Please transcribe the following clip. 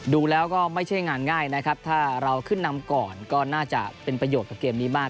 ดูแล้วก็ไม่ใช่งานง่ายนะครับถ้าเราขึ้นนำก่อนก็น่าจะเป็นประโยชน์กับเกมนี้มาก